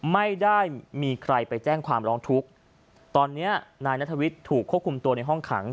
ไม่ได้มีใครไปแจ้งความร้องทุกข์ตอนเนี้ยนายนัทวิทย์ถูกควบคุมตัวในห้องขัง